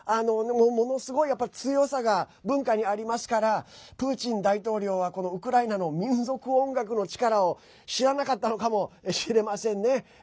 ものすごい強さが文化にありますからプーチン大統領はこのウクライナの民俗音楽の力を知らなかったのかもしれませんね。